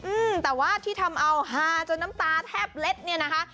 อืมแต่ว่าที่ทำเอาฮาจนน้ำตาแทบเล็ดเนี่ยนะคะ